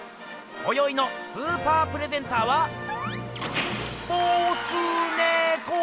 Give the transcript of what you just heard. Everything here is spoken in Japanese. こよいのスーパープレゼンターはボスネコー！